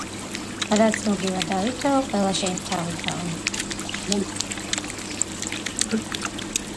რაც მოგივაო დავითაო ყველა შენი თავითაო